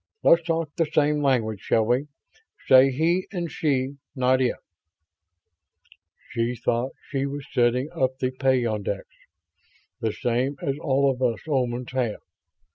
"Let's talk the same language, shall we? Say 'he' and 'she.' Not 'it.'" "She thought she was setting up the peyondix, the same as all of us Omans have.